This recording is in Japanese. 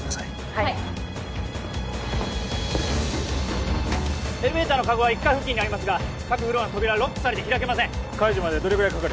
はいエレベーターのカゴは１階付近にありますが各フロアの扉はロックされて開けません解除までどれぐらいかかる？